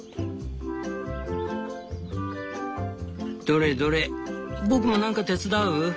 「どれどれ僕もなんか手伝う？